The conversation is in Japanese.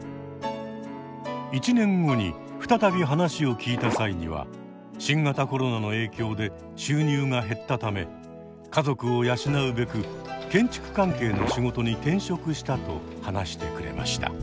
１年後に再び話を聞いた際には新型コロナの影響で収入が減ったため家族を養うべく建築関係の仕事に転職したと話してくれました。